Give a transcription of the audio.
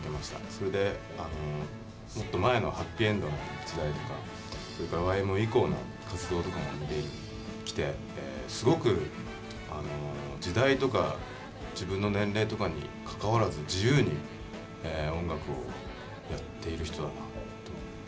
それでもっと前のはっぴいえんどの時代とかそれからＹ．Ｍ．Ｏ．以降の活動とかも見てきてすごく時代とか自分の年齢とかにかかわらず自由に音楽をやってる人だなと思います。